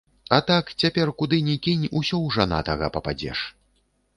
А так, цяпер куды ні кінь, усё ў жанатага пападзеш.